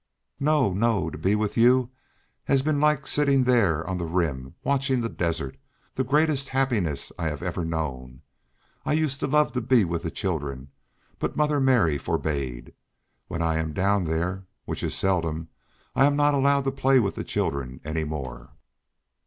"No. No. To be with you has been like sitting there on the rim watching the desert, the greatest happiness I have ever known. I used to love to be with the children, but Mother Mary forbade. When I am down there, which is seldom, I'm not allowed to play with the children any more."